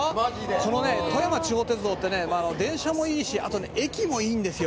このね富山地方鉄道ってね電車もいいしあとね駅もいいんですよ」